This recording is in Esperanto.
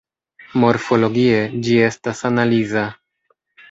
Morfologie, ĝi estas analiza.